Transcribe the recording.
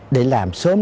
để làm sớm